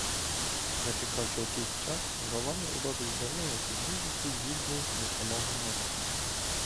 Зачекавши якийсь час, ровами обабіч дороги підводжу свій відділ до самого мосту.